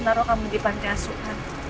taruh kamu di panti asuhan